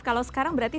kalau sekarang berarti